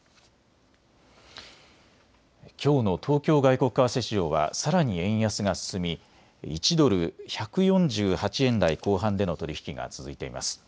きょうの東京外国為替市場はさらに円安が進み１ドル１４８円台後半での取り引きが続いてます。